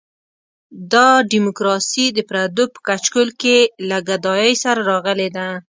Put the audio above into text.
دا ډیموکراسي د پردو په کچکول کې له ګدایۍ سره راغلې ده.